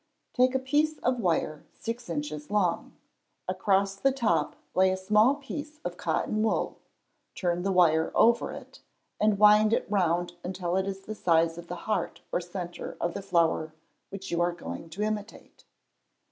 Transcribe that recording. Take a piece of wire six inches long; across the top lay a small piece of cotton wool, turn the wire over it, and wind it round until it is the size of the heart or centre of the flower you are going to imitate.